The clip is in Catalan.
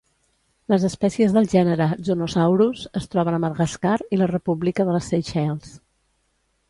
Les espècies del gènere "Zonosaurus" es troben a Madagascar i la República de les Seychelles.